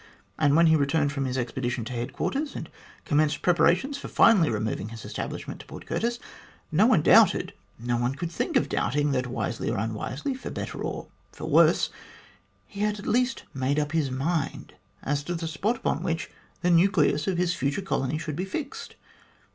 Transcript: And when he returned from his expedition to headquarters and commenced preparations for finally removing his establishment to Port Curtis, no one doubted, no one could think of doubting, that, wisely or unwisely, for better or for worse, he had at least made up his mind as to the spot upon which the nucleus of his future colony should be fixed.